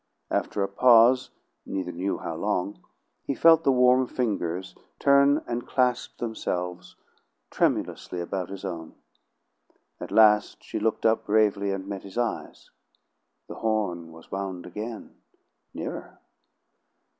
After a pause, neither knew how long, he felt the warm fingers turn and clasp themselves tremulously about his own. At last she looked up bravely and met his eyes. The horn was wound again nearer.